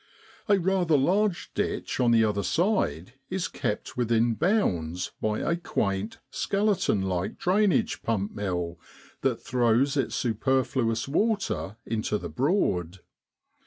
A rather large ditch on the other side is kept within bounds by a quaint, skeleton like drainage pump mill that throws its superfluous water into the Broad.